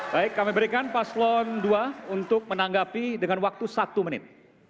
baik kami berikan paslon dua untuk menanggapi dengan waktu satu menit